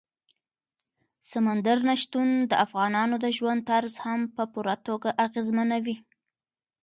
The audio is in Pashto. سمندر نه شتون د افغانانو د ژوند طرز هم په پوره توګه اغېزمنوي.